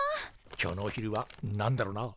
今日のお昼は何だろな。